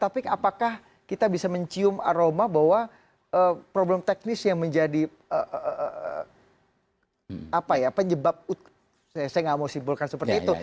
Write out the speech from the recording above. tapi apakah kita bisa mencium aroma bahwa problem teknis yang menjadi penyebab saya nggak mau simpulkan seperti itu